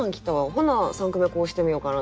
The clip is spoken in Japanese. ほな三句目こうしてみようかなとか。